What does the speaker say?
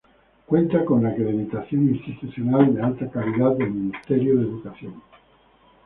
Cuenta con la acreditación institucional de alta calidad del Ministerio de Educación.